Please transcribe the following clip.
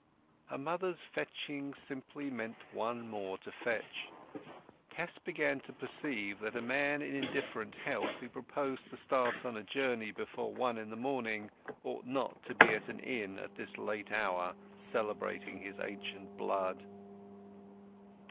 Her mother's fetching simply meant one more to fetch. Tess began to perceive that a man in indifferent health, who proposed to start on a journey before one in the morning, ought not to be at an inn at this late hour celebrating his ancient blood.